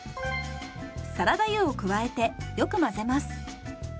サラダ油を加えてよく混ぜます。